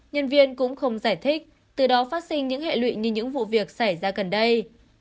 nhân viên cũng không giải thích từ đó phát sinh những hệ lụy như những vụ việc xảy ra gần đây